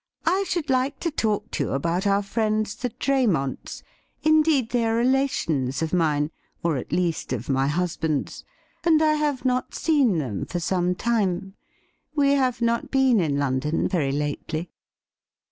' I should like to talk to you about our friends the Draymonts — indeed, they are relations of mine, or, at least, of my husband's — and I have not seen them for some time. We have not been in London very lately.'